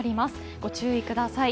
御注意ください。